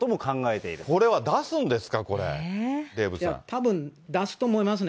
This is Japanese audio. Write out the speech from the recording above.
これは出すんですか、これ、たぶん、出すと思いますね。